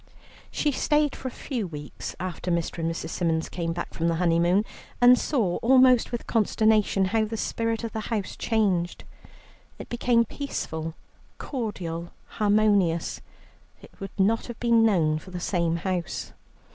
She stayed for a few weeks after Mr. and Mrs. Symons came back from the honeymoon, and saw almost with consternation, how the spirit of the house changed. It became peaceful, cordial, harmonious; it would not have been known for the same house.